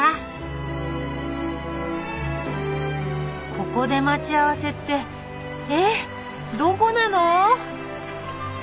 ここで待ち合わせってえっどこなの？